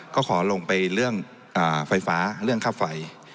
ก็ขอลงไปเรื่องไฟฟ้าเรื่องค่าไฟ